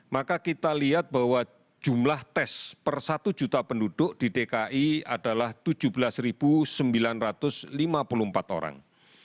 maka kita lihat bahwa jumlah tes per satu juta penduduk di dki adalah tujuh belas sembilan ratus lima puluh empat orang